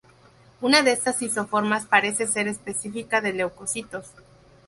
Una de estas isoformas parece ser específica de leucocitos.